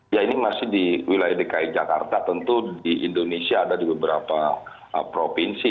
ya ini masih di wilayah dki jakarta tentu di indonesia ada di beberapa provinsi